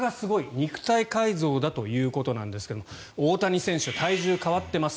肉体改造だということですが大谷選手は体重が変わってます。